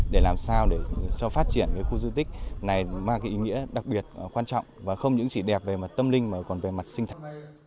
để làm sao để cho phát triển khu du lịch này mang ý nghĩa đặc biệt quan trọng và không những chỉ đẹp về mặt tâm linh mà còn về mặt sinh thái